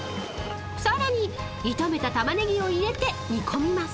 ［さらに炒めたタマネギを入れて煮込みます］